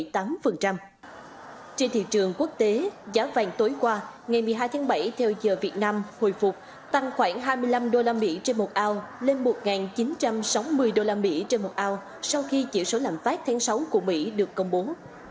trên thị trường quốc tế giá vàng tối qua ngày một mươi hai tháng bảy theo giờ việt nam hồi phục tăng khoảng hai mươi năm đô la mỹ trên một ao lên một chín trăm sáu mươi đô la mỹ trên một ao sau khi chỉ số lãnh phát tháng sáu của mỹ được công bố